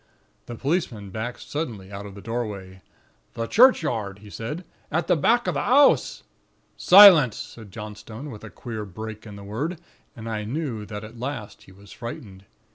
The policeman backed suddenly out of the doorway: "'The churchyard,' he said, '... at the back of the 'ouse.' "'Silence!' said Johnstone, with a queer break in the word, and I knew that at last he was frightened.